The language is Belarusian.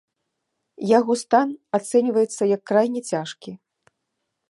Яго стан ацэньваецца як крайне цяжкі.